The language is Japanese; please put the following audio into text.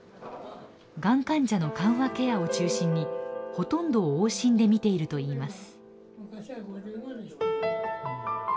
がん患者の緩和ケアを中心にほとんどを往診で診ているといいます。